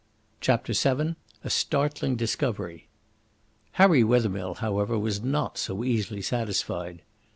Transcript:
CHAPTER VII A STARTLING DISCOVERY Harry Wethermill, however, was not so easily satisfied.